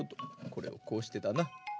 これをこうしてだな。